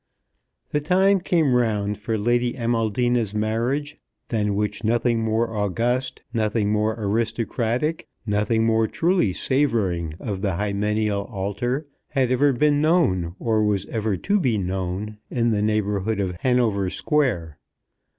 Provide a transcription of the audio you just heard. The time came round for Lady Amaldina's marriage, than which nothing more august, nothing more aristocratic, nothing more truly savouring of the hymeneal altar, had ever been known or was ever to be known in the neighbourhood of Hanover Square.